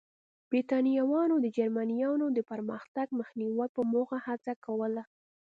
برېټانویانو د جرمنییانو د پرمختګ مخنیوي په موخه هڅه کوله.